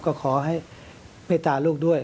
ก็ขอให้เมตตาลูกด้วย